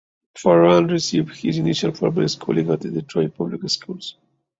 Farrand received his initial formal schooling at the Detroit public schools.